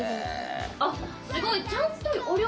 あっすごい。